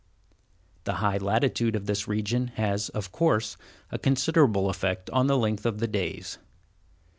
The high latitude of this region has, of course, a considerable effect on the length of the days.